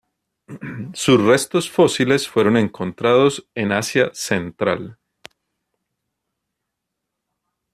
Sus restos fósiles fueron encontrados en Asia Central.